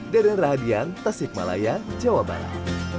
deden rahadian tasik malaya jawa barat